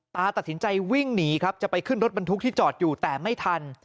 ตัดสินใจวิ่งหนีครับจะไปขึ้นรถบรรทุกที่จอดอยู่แต่ไม่ทัน